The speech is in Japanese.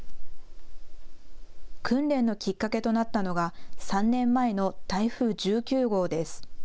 訓練のきっかけとなったのが３年前の台風１９号です。